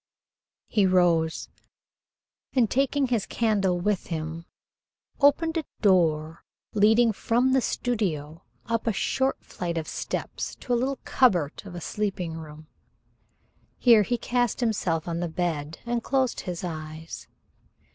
He rose, and, taking his candle with him, opened a door leading from the studio up a short flight of steps to a little cupboard of a sleeping room. Here he cast himself on the bed and closed his eyes.